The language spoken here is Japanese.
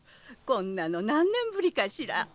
こんなの何年ぶりかしら。